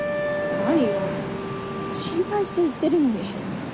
何よ心配して言ってるのに。